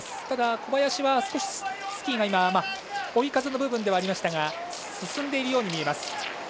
ただ、小林は少しスキーが追い風の部分ではありましたが進んでいるように見えます。